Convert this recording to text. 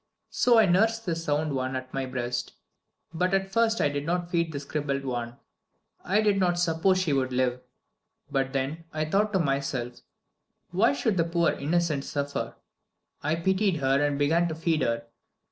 So I nursed the sound one at my breast, but at first I did not feed this crippled one. I did not suppose she would live. But then I thought to myself, why should the poor innocent suffer? I pitied her, and began to feed her.